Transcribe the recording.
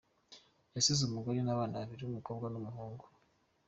Yasize umugore n’abana babiri, umukobwa n’umuhungu.